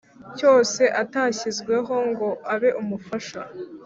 Cyose atashyizweho ngo abe umufasha